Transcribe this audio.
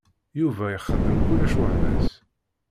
Yuba ixeddem kullec weḥd-s.